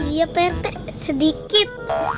iya pt sedikit